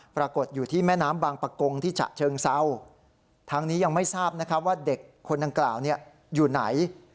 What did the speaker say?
ปรากฏอยู่ที่แม่น้ำบางประกงที่ฉะเชิงเซาทางนี้ยังไม่ทราบนะครับว่าเด็กคนดังกล่าวอยู่ไหน